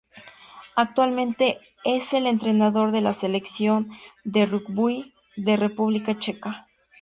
Actualmente es el entrenador de la Selección de rugby de República Checa.